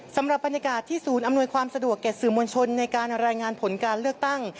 สำหรับบรรยากาศที่ศูนย์อำนวยความสะดวกแก่สื่อมวลชนในการรายงานผลการเลือกตั้ง